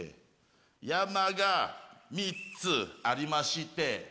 山が３つありまして